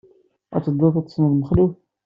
I tedduḍ ad d-tessneḍ Mexluf?